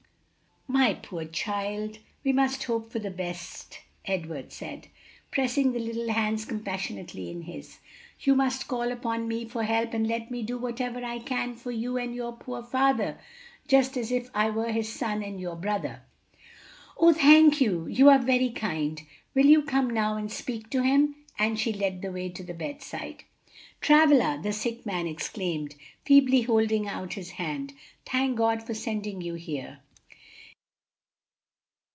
"My poor child! we must hope for the best," Edward said, pressing the little hands compassionately in his. "You must call upon me for help and let me do whatever I can for you and your poor father, just as if I were his son and your brother." "Oh, thank you! you are very kind. Will you come now and speak to him?" and she led the way to the bedside. "Travilla!" the sick man exclaimed, feebly holding out his hand. "Thank God for sending you here!"